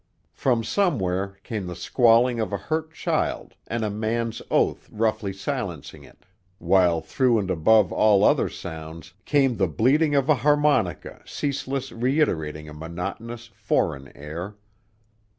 From somewhere came the squalling of a hurt child and a man's oath roughly silencing it, while through and above all other sounds came the bleating of a harmonica ceaseless reiterating a monotonous, foreign air.